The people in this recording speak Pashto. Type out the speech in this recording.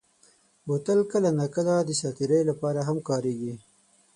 بوتل کله ناکله د ساعت تېرۍ لپاره هم کارېږي.